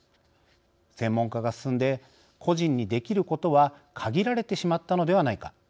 専門化が進んで個人にできることは限られてしまったのではないか。